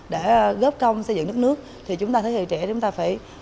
để góp công xây dựng đất nước thì chúng ta thế hệ trẻ chúng ta phải